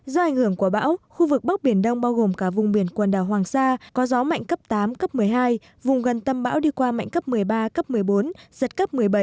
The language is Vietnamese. do ảnh hưởng của bão khu vực bắc biển đông bao gồm cả vùng biển quần đảo hoàng sa có gió mạnh cấp tám cấp một mươi hai vùng gần tâm bão đi qua mạnh cấp một mươi ba cấp một mươi bốn giật cấp một mươi bảy